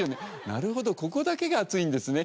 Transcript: なるほどここだけが熱いんですね。